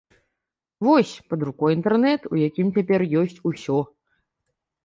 Вось, пад рукой інтэрнэт, у якім цяпер ёсць усё.